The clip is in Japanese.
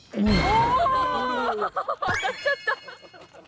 おぉ当たっちゃった！